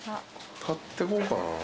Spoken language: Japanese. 買ってこうかなぁ。